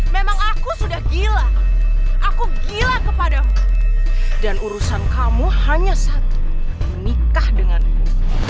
memang aku sudah gila aku gila kepadamu dan urusan kamu hanya satu menikah denganku